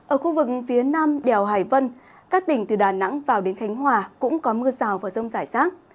ở khu vực phía nam đèo hải vân các tỉnh từ đà nẵng vào đến khánh hòa cũng có mưa rào và rông rải rác